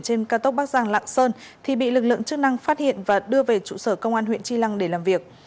trên cao tốc bắc giang lạng sơn thì bị lực lượng chức năng phát hiện và đưa về trụ sở công an huyện tri lăng để làm việc